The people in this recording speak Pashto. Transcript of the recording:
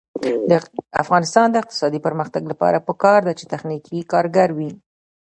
د افغانستان د اقتصادي پرمختګ لپاره پکار ده چې تخنیکي کارګر وي.